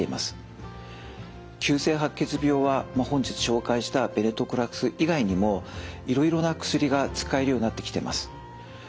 急性白血病は本日紹介したベネトクラクス以外にもいろいろな薬が使えるようになってきてます。